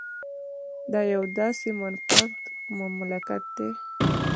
دا یو داسې منفرده مملکت دی